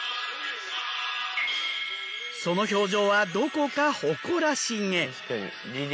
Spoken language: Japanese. その表情はどこか誇らしげ。